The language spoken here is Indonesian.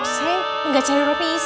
saya gak cari bopi